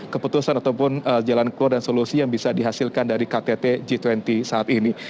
keputusan ataupun jalan keluar dan solusi yang bisa dihasilkan dari ktt g dua puluh saat ini